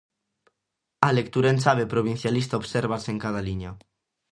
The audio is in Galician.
A lectura en chave provincialista obsérvase en cada liña.